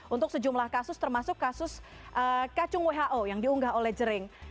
untuk sejumlah kasus termasuk kasus kacung who yang diunggah oleh jering